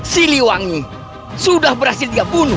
siliwangi sudah berhasil dibunuh